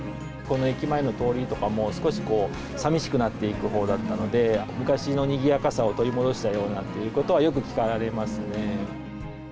この駅前の通りとかも、少しこう、寂しくなっていくほうだったので、昔のにぎやかさを取り戻したようだという声は、よく聞かれますね。